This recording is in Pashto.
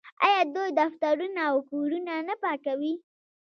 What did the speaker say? آیا دوی دفترونه او کورونه نه پاکوي؟